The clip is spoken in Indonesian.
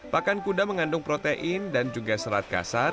pakan kuda mengandung protein dan juga serat kasar